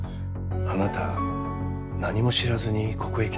あなた何も知らずにここへ来たんですか？